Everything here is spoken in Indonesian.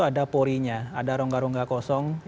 ada porinya ada rongga rongga kosong